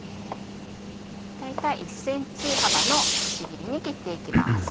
大体１ｃｍ幅のくし切りに切って行きます。